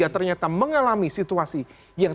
ternyata mengalami situasi yang